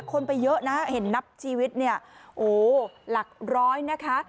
คนไปเยอะนะเห็นนับชีวิตเนี่ยโอ้โหหลักร้อยนะคะ